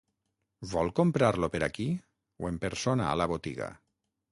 Vol comprar-lo per aquí o en persona a la botiga?